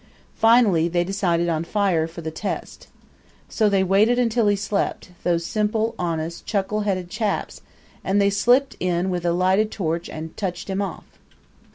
Finally they decided on fire for the test. So they waited until he slept those simple, honest, chuckle headed chaps and then they slipped in with a lighted torch and touched him off.